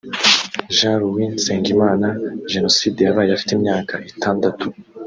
Jean Louis Nsengimana Jenoside yabaye afite imyaka itandatu